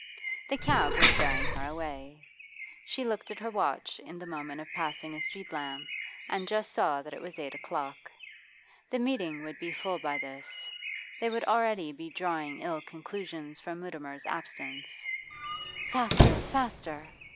The cab was bearing her away. She looked at her watch in the moment of passing a street lamp and just saw that it was eight o'clock. The meeting would be full by this; they would already be drawing ill conclusions from Mutimer's absence Faster, faster!